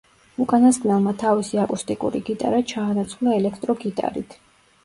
უკანასკნელმა თავისი აკუსტიკური გიტარა ჩაანაცვლა ელექტრო გიტარით.